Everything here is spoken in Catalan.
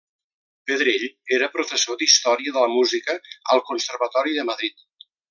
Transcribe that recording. Pedrell era professor d'Història de la música al Conservatori de Madrid.